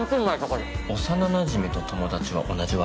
幼なじみと友達は同じ枠？